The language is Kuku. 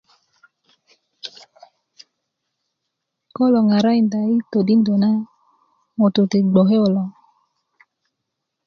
ko kulo ŋarakinda i todindö na ŋutu ti bgoke kulo